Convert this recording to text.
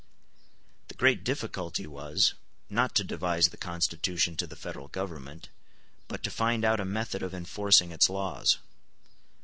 The great difficulty was, not to devise the Constitution to the Federal Government, but to find out a method of enforcing its laws.